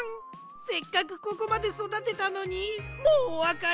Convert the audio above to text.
せっかくここまでそだてたのにもうおわかれ？